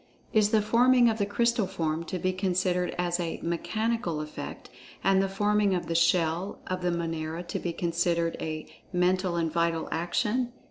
Is the forming of the Crystal form to be considered as a "mechanical effect," and the forming of the "shell" of the Monera to be considered a "mental and vital action?"